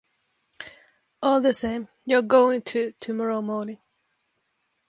All the same, you're going to tomorrow morning.